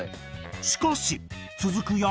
しかし続く